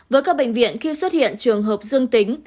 với các bệnh viện khi xuất hiện trường hợp dương tính